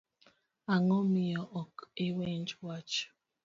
Ango miyo ok iwinj wach?